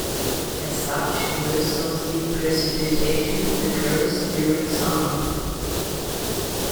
As such, most of the precipitation occurs during summer.